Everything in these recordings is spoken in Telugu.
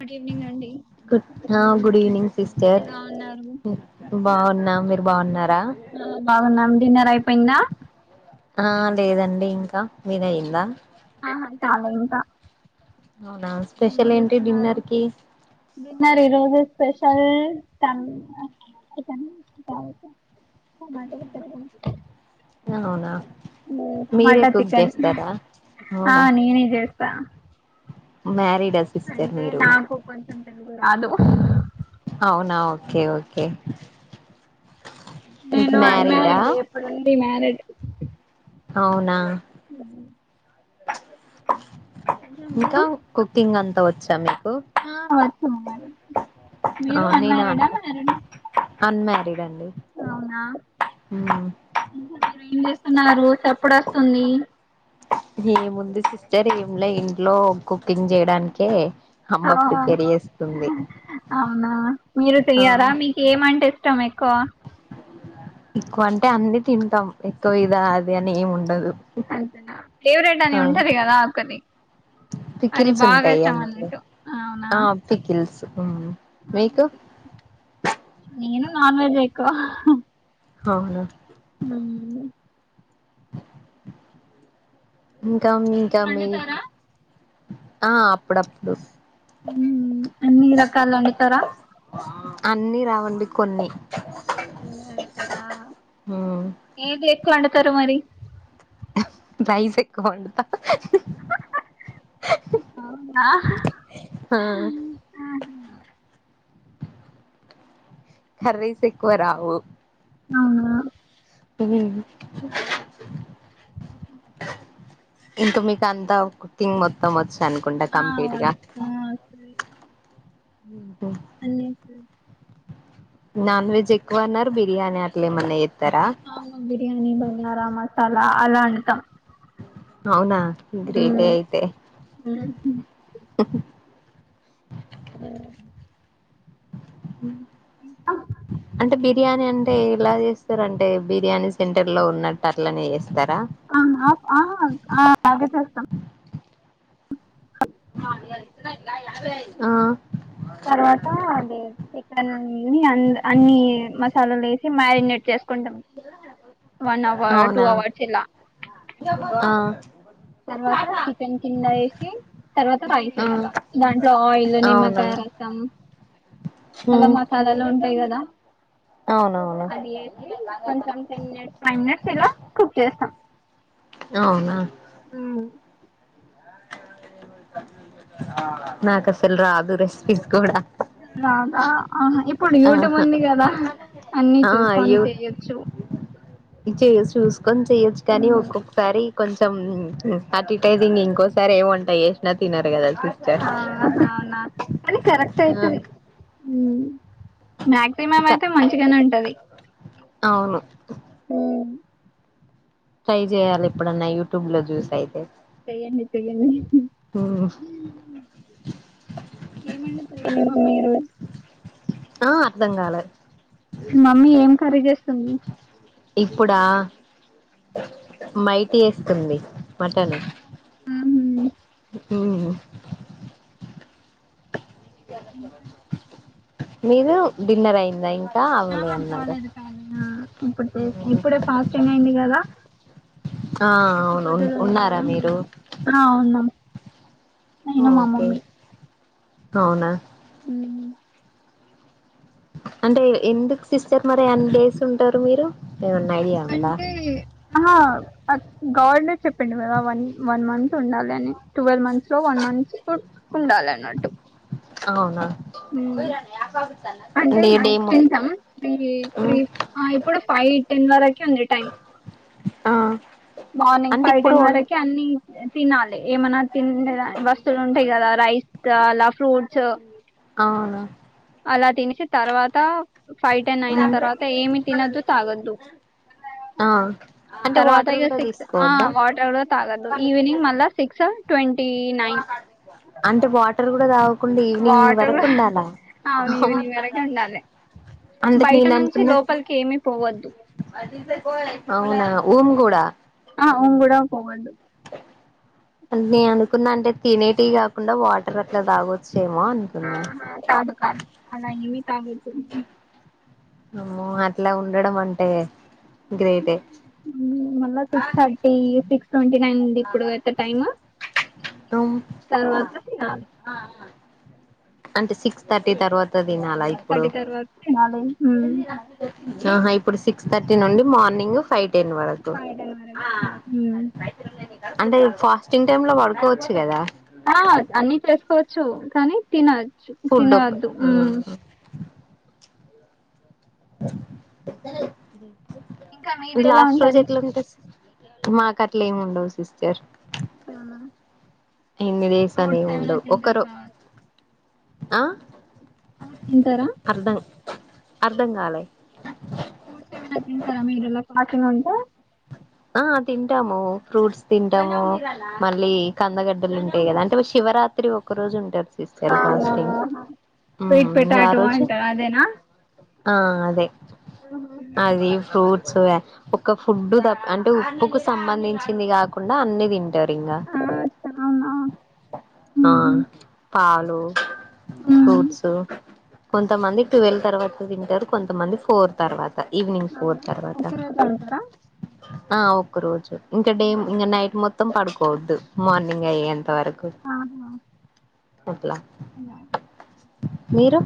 గుడ్ ఈవినింగ్ అండి గుడ్ ఆ గుడి ఈవ్ నింగ్ సిస్టర్ ఎలా ఉన్నారు హ్ బాఉన్నామ్ మీర్ బాఉన్నార్ ద ఆ బాగున్నాం డిన్నర్ అయిపోయిందా ఆ లేదండి ఇంక్ ఆ మిద్ అయిందా ఆహా కాలే ఇంకా అవునా ఏం స్పెషల్ ఏంటి చేస్తున్నారు డిన్నర్ కి డిన్నర్ ఈ రోజు స్పషల్ [unintelligible] అ మంచిగుంటరు అవునా మీరే టమాటా కుక్ చికెన్ చేస్తారా ఆ నేనే చేస్ టా మ్యారీడ్ అంటే నాకు కొంచెం తెలుగు రాదు అవునా ఓకే ఓకే మీకు నేను మ్యారీడా అన్మ్యారీడ్ ఎప్పుడుంది మ్యారీడ్ అవునా హ్మ్ ఇంకా కుకింగ్ అంతా వచ్చా మీక్ ఆ వచ్చు మేం మీరు నేనా అన్మ్యారీడా మ్యారీడ అన్మ్యారీడ్ అండి అవునా ఉమ్ ఇంక మీరు ఏం చేస్తున్నారు చప్పుడొస్తుందీ ఇండ్లో ఇంట్లో కుకింగ్ చేయడానికే అమ్మ ఆ ప్రిపేర్ చేస్తుంది అవునా మీరు ఆ చెయ్యారా మీకు ఏమంటే ఇష్టమెక్కువ ఎక్కువ అంటే అన్ని తింటం ఎక్కువ ఇదా అది అని ఏమి ఉండదు అంతెనా ఫేవరెట్ అని ఉంటది కదా ఒక్కటి పకిల్స్ ఉంటాయ్ అంతే అవునా ఆ పికిల్స్ మీకు ఉత్ ఓకే. నేను నాన్వెజ్ ఎక్కువ అవును హుమ్ ఇంకా ఇంకా మీరు మీ వండుతారా ఆ అప్పుడప్పుడు అన్ని రకాలు ఒండుతరా అన్నీ రావండి కొన్ని కొన్నే వండుతరా ఉమ్ ఏది ఎక్కువ వండుతరు మరి రైస్ ఎక్కువ వండుతా అవునా అహ ఆ కర్రీస్ ఎక్కువ రావు అవునా ఉమ్ హు ఇంత మీకు అంతా కుక్కింగు మొత్త మచ్చ అనుకుంట ఆ కంప్లీట్ గా ఆ! వస్తది అన్ని నాన్ వెజ్ ఎక్కువ అన్నారు బిర్యానీ అట్లేమన్నా అవును బిర్యానీ బగారా మసాలా అలా అంటాం అవునా గ్రేటే అయితే హ్మ్. హుమ్ ఆ ఉమ్ అంటె బిర్యానీ అంటే ఇలా చేస్ చేస్తరంటే బిర్యానీ సెంటర్ లో ఉన్నట్టు అట్లనే చేస్ అ అప్ ఆ ఆ అదే చేస్తం ఆ తర్వాత అదే ఆన్ అన్ని మసాలాలు వేసి మ్యాయినేట్ చేస్ టను వన్ అవర్ టూ అవునా అవర్స్ ఇలా ఆ తర్వాత చికెన్ కింద ఏసి తర్వాత రైస్ ఆ ఏస్తా దాంట్లో ఆయిల్ అవునా నిమ్మకాయ రసం మల్ల హ్మ్ మసాలలు ఉంటయి కదా అవునవును అది ఏసి కొంచెం టెన్ మినిట్స్ ఫైవ్ మినిట్స్ అలా కుక్ చేస్తా అవునా ఉమ్ నాకు అసలు రాదు రెస్పిస్ గుడా అహ్ రాద ఆహా ఇప్ ఇప్పుడు యూట్యూబ్ ఆహా ఉంది గదా అన్నీ చూసుకొని చెయొచ్చు. పిక్చర్ యూస్ చూసుకొని చెయ్యొచ్చు కానీ ఒక్కొక్కసారి [inaudible] కొంచం అట్ఇట్ ఐతె ఇంకోసారి ఎమ్ వంట చేసిన తినరు కదా సిస్టర్ ఆ హ నాక్ కరెక్ట్ ఆ అయితది. ఉమ్ మ్యాక్సిమం ఇక అయితే మంచిగనే ఉంటది. అవును ఉమ్ ట్రై జేయాలి ఎప్పుడన్నా యూట్యూబ్ లో జూసి అయితే చేయండి చేయండి హ్ హు [inaudible] ఏం అండుతవ్ మీరు ఆ అర్ధం కాలె మి మమ్మీ ఏం కర్రీ చేస్తుంది.? ఇప్పుడా మైటి చెస్తుంది మటన్ ఉహు ఉమ్ మీరు డిన్నర్ అయిందా ఇంక్ ఆ కాలేదు కాలేదు ఆ ఇప్పుడే ఫాస్టింగ్ అయింది కదా ఆ అవును ఒకపొద్దులు ఉన్నారు ఉన్నారా మీరు కదా? నేను మా ఓకే మమ్మీ అవునా ఉమ్ అంటే ఎందుకు సిస్టర్ మరి అన్ని డేస్ ఉంటరు మీరు? ఏమన్నా ఐడియా ఉందా? అంటే ఆహా గవర్నర్ చెప్పిండు గదా అవన్నీ వన్ మంత్ ఉండాలి అని twelve months so one months కు ఉండాలె అన్నట్టు అవునా ఉమ్ అంటె అంటే నైట్ డేమో తింటాం త్రీ త్రీ ఆ ఇప్పుడు ఫై రెండున్నర ఐతుంది టైమ్ ఆ మార్నింగ్ అంటే ఫైవ్ ఇప్పుడు టెన్ వరకి అన్ని తినాలి ఏమన్నా తిన్ డనిక్ వస్తులు ఉంటాయి కదా రైస్ కాలా ఫ్రూట్స్ అవునా అలా తినెసి తర్వాత ఫై టెన్ ఐనా తర్వాత ఏమి తినొద్దు తాగద్దు ఆ అంటే వాటర్ ఇక కూడా సిక్స్ ఆ తీసుకోవద్దా వాటర్ గూడ తాగద్దు ఈవనింగ్ మల్ల సిక్స్ ట్వంటీ నైన్ అంటే వాటర్ గుడా తాగకుండా ఈవినింగ్ వాటర్ వరకు కూడా ఉండాల అవును ఈవినింగ్ వరకు ఉండాలె అంటే బయట నేను నుంచి అనుకున్న లోపలికి ఏమి పోవద్దు అవునా ఊమ్ గూడా ఊమ్ గూడా పోవద్దు అని అనుకున్న అంటే తినేటి కాకుండా వాటర్ అట్లా తాగొచ్చు ఆహ కాదు కాదు అలా ఎమి కాదు అమ్మో అట్ల ఉండడం అంటె ఉ హ్ ఉమ్మ్ మల్ల six thirty six twenty nine అండి ఇప్పుడు వరకు టైమ్ తర్వాత తినాలి అంటే సిక్స్ థర్టీ తర్వాత మీర్ తినాల సిక్స్ ఇప్పుడు థర్టీ తర్వాత తినాలి ఉమ్ ఆహా ఇప్పుడు సి క్స్ థర్టీ నుండి మార్నింగ్ ఫైవ్ టెన్ వరకు ఫైవ్ టెన్ వరకు తినాలి ఉమ్ అంటే ఫాస్టింగ్ టైమ్ లో పడుకోచు కదా ఆ అన్ని చేస్కోచ్చు కానీ తినచ్చు ఫుడ్ ఒక్క తినవద్దు ఉమ్ ఇంకా మీది ఎలా లాస్ట్ రోజ ఎట్లా ఉంటది మాక్ అట్ల ఏమ్ ఉండవ్ సిస్టర్ ఆ ఎన్ని డేస్ అని ఏం ఉండవ్ ఒకరు కావచ్చు ఆ ఫ్రూడ్స్ తింటారా అర్ధం అర్ధం గాలే ఫ్రూట్స్ ఏమన్నా తింటారా మీరు రో ఫాస్టింగ్ ఉంటే ఆ తింటాము ఫ్రూట్స్ తింటాము మళ్ళీ కందగడ్డలు ఉంటాయి కదా అంటే శివ రాత్రి ఒక రోజు ఉంటారు సిస్టర్ అవునా ఫాస్టింగ్ స్వీట్ ఉమ్ ఆ పొటాటో రోజు అంటారు అదేనా ఆ అదే ఆహా. అది ఫ్రూట్ సు ఒక ఫుడ్ త అంటే ఉప్పుకు సంబంధించింది కాకుండా అన్ని తింటారు ఇంగ ఆ అవునా ఆ ఉహు పాలు ఆ ఫ్రూట్సు కొంతమంది ట్వెల్వ్ తర్వాత తింటారు కొంతమంది ఫోర్ తర్వా త ఈవినింగ్ ఫోర్ అవునా తర్వాత ఒక్క రోజు ఉంటారా ఆ ఒక్క రోజు ఇంకా డే ఇంకా నైట్ మొత్తం పడుకోవద్దు మార్నింగ్ అయ్యేం త వరకు ఆహా పోద్ల అలా మీరు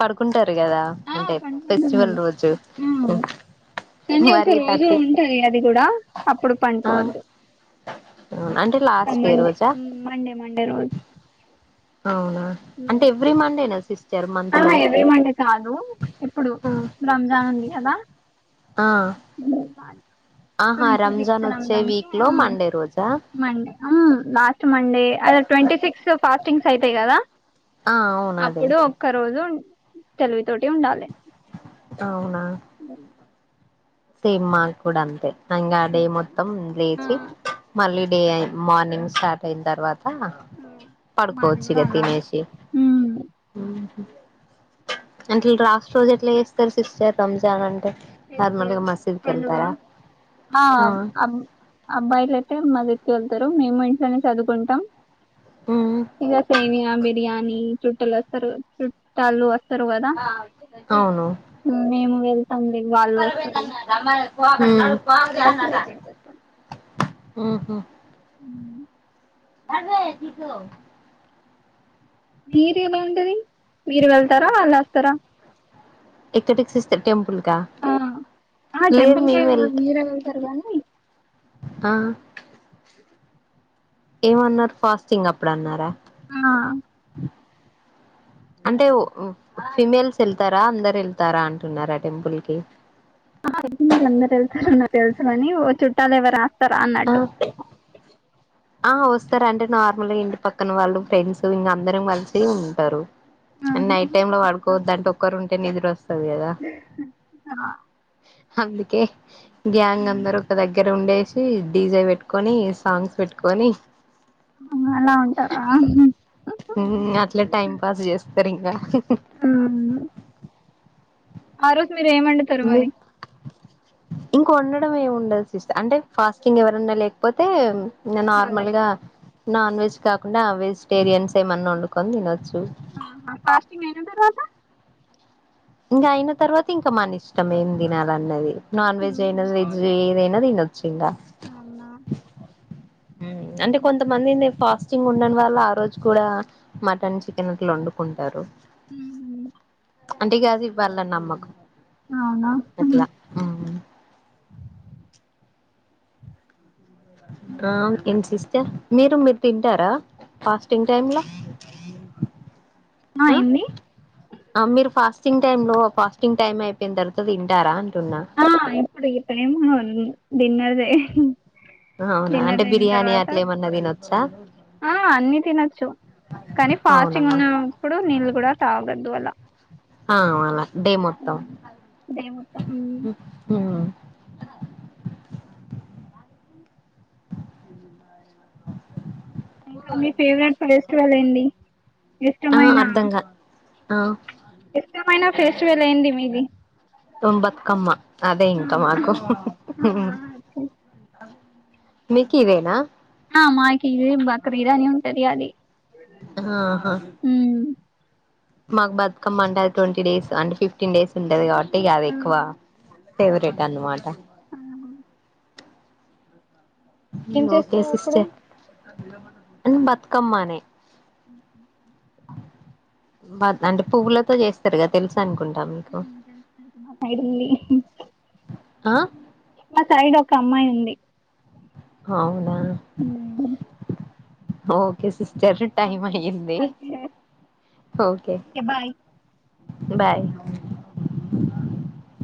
పడుకుంటార్ కదా ఆ అంటే పండుకుంటుంది ఫెస్టివల్ రోజు ఆ కానీ ఒక మరి రోజు థర్టీ ఉంటది అది కూడా అప్పుడు ఆ పండ్కొవద్దు అంటే సార్ లాస్ట్ డే మండే రోజా ఉమ్ మండే మండే రోజు అవునా ఉమ్ అంటే ఎవ్రీ మండేనా సిస్టర్ మంత్ లో ఆ ఎవ్రీ మండే కాదు ఇప్పుడు రంజాన్ ఉంది కదా ఆ ఆహా ట్వంటీ సిక్స్ వచ్చే రంజాన్ కి వీక్ లో మండే రోజా మండే అ లాస్ట్ మండే అదే ట్వంటీ సిక్స్ ఫాస్టింగ్స్ అయితయ్ గదా ఆ అవును అదే అప్పుడు ఒక్క రోజు తెలివి తోటి ఉండాలే అవునా సేమ్ మాక్ కూడా అంతే అంగడి మొత్తం ఆ లేచి మల్లీ డే ఏన్ మార్నింగ్ స్టార్ట్ అయిన్ తర్వా త ఆ మాది కూడా పడ్కోచ్చిగా అలాగే తినేసి ఉమ్ మన్కి రాష్టట్ రోజ్ ఎట్లా చేస్తారు సిస్టర్ రంజాన్ అంటే నార్మల్గా మసీద్కి వెళ్తారా ఆ అబ్బ అబ్బాయిలైతే మది వెళ్తారా మేమ్ ఇంట్లోనే చదుతుంటాం ఉమ్ ఇగా సేమియా బిర్యానీ చుట్టలు వస్తారు చుట్టాలు వస్తారు గదా అవును ఉమ్ మేమ్ వెళ్ ఉమ్ అలా సెలబ్రేట్ చేసుకుంటాం ఉహో అదే నితో. గీరేమైండది మీరు వెళ్తరా వాళ్ళొస్తర. ఎక్కటిక్సిస్త టెంపుల్క ఆ ఆ లేదు టెంపుల్ కి మేమెల్త. మీరే వెళ్తారు కానీ ఆ. ఏమన్నారు ఫాస్టింగ్ అప్పుడన్నారా ఆ అంటే ఫిమేల్స్ ఎళ్తారా అందరెళ్తారా అంటున్నారా టెంపుల్ కి అయితే ట్టాలెవర్ ఆస్తర్ ఆ అన్నట్టు. ఆ వస్తరంటె నార్మల్గ ఇంటి పక్కన వాళ్ళు ఫ్రెండ్స్ ఇంగ అందరం వచ్చి ఉంటరు. నైట్ టైమ్ లొ ఆహా పడుకోవద్దంటె ఒక్కరుంటె నిద్రొస్ తది గద హందుకే ఆ గ్యాంగందరు ఒక దగ్గరుండేష్ సి డీజె వెట్కొని సాంగ్స్ పెట్కొని అలా ఉంటారా ఊమ్ అట్ల టైంపాస్ జేస్తరిగ ఊమ్. ఆ రోజ్ మీరేమండుతరు మరి. ఇంక ఒండడం ఏముండద్ సిస్ట్ అంటె ఫాస్టింగ్ ఎవరన్న లేక్పోతే మ్ ఇంగ వాళ్ళకి నార్మల్గా నాన్వెజ్ కాకుండ ఆ వెజ్టేరియన్సేమన్నొండుకొన్ దినొచ్చు. ఊహు ఫాస్టింగ్ ఐన తర్వాత. ఇంక ఐన తర్వాత ఇంక మనిష్టం ఏం దినాలన్నది నాన్వెజ్ ఐన వెజ్ ఏదై న దినచ్చింగ. ఔనా ఉమ్ అంటె కొంతమందిని ఫాస్టింగుండన్ వాళ్ళా రోజ్ కూడా మటన్ చికెన్ అట్లొండు కుంటారు. ఊమ్. అంటె గాది వాళ్ళ నమ్మకం అవునా అట్ల హుహు. ఉమ్. రాంగ్ ఏంది సిస్టర్. మీరు మీర్ తింటారా ఫాస్టింగ్ టైమ్ల. ఆ అ ఏంది అ మీర్ ఫాస్టింగ్ టైంలొ ఫాస్టింగ్ టైమ్ అయ్పెయిన్ తర్వాత దింటారా అన్ ఆ ఇప్పుడు ఇప్పుడేమ్ ఉండద్ డిన్నరే. ఔనా అంటె బిర్యానీ అట్లేమన్న దినొచ్చ. ఆ అన్ని తినొచ్చు కాని అవునా ఫాస్టింగ్ ఉన్న అప్పుడు నీళ్ళు కుడా తాగొద్దు వల ఆ మల డే మొత్తం దేవుతం ఉమ్. ఇంక మీ ఫేవరెట్ ఫెస్టివలేంది ఆ ఇష్టమైన అర్ధంగా ఆ. ఇష్టమైన ఫేస్టివలేంది మీది. తోమ్ బత్కమ్మ అదే ఇంక అవునా? మాకు ఆ ఉమ్. మీకి ఇదేన. ఆ మాకి ఇది బక్రీదని ఉంటది అది. హ ఆహ. మ్ మాక్ బతుకమ్మ అంటాది టొంటీ డేస్ అంటె ఫిఫ్టీన్ డేసుంటది కాబట్టి ఇగదెక్కువ. ఫేవ్రేట్ అనమాట ఏం హూమ్ ఓకే చేస్తారు అప్పుడు సిస్టర్ అండ్ బతుకమ్మానే. బద్ అంటె పువ్వులతో జేస్తరుగ తెలుసనుకుంట ఊహూ మా సైడిల్లి ఆ మా సైడొక్ కమ్మాయుంది. అవును ఓకే సిస్ జర టైం అయ్యింది ఓకే ఓకే బాయ్.